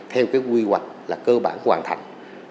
theo quy hoạch là cơ bản hoàn thành